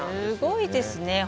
すごいですね